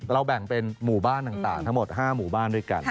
แบ่งเป็นหมู่บ้านต่างทั้งหมด๕หมู่บ้านด้วยกัน